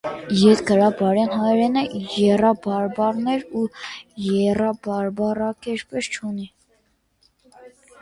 Ետգրաբարյան հայերենը եռաբարբառներ ու եռաբարբառակերպեր չունի։